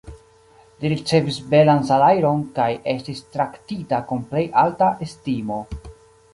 Li ricevis belan salajron, kaj estis traktita kun plej alta estimo.